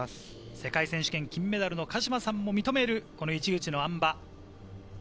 世界選手権金メダリストの鹿島さんも認める市口のあん馬。